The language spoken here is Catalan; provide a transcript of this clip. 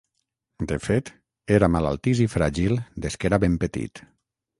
De fet, era malaltís i fràgil des que era ben petit.